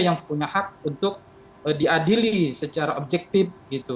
yang punya hak untuk diadili secara objektif